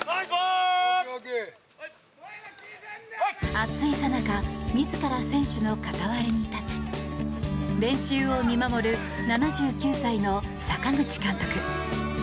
熱いさなか自ら選手のかたわらに立ち練習を見守る７９歳の阪口監督。